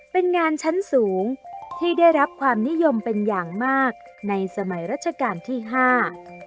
เป็นงานชั้นสูงที่ได้รับความนิยมเป็นอย่างมากในสมัยรัชกาลที่ห้า